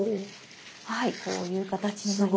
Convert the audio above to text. はいこういう形にすごい。